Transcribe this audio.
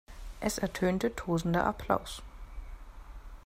Es ertönte tosender Applaus.